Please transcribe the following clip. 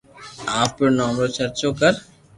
آپري نوم چرچو ڪر